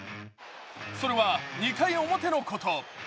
それは２回表のこと。